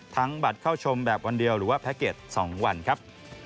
บัตรเข้าชมแบบวันเดียวหรือว่าแพ็คเกจ๒วันครับ